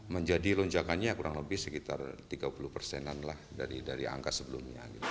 menjadi lonjakannya kurang lebih sekitar tiga puluh persenan lah dari angka sebelumnya